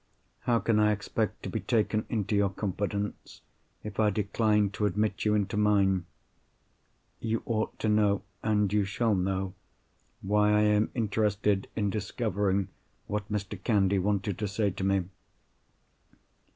How can I expect to be taken into your confidence if I decline to admit you into mine? You ought to know, and you shall know, why I am interested in discovering what Mr. Candy wanted to say to me.